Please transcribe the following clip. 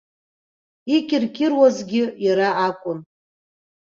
Икьыркьыруазгьы иара акәын.